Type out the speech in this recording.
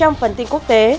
trong phần tin quốc tế